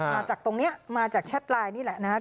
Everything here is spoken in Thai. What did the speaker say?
มาจากตรงนี้มาจากแชทไลน์นี่แหละนะครับ